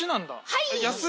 はい。